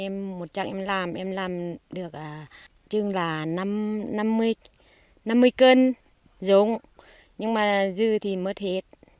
một trạng em làm em làm được chừng là năm mươi kg giống nhưng mà dư thì mất hết